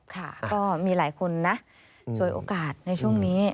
ค่ะก็มีหลายคนนะช่วยโอกาสในช่วงนี้